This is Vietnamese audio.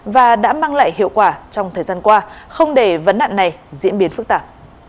và đã mang lại hiệu quả trong thời gian qua không để vấn nạn này diễn biến phức tạp